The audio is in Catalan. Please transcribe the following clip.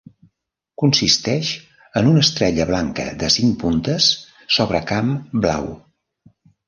Consisteix en una estrella blanca de cinc puntes sobre camp blau.